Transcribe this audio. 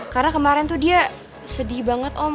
karena kemarin tuh dia sedih banget om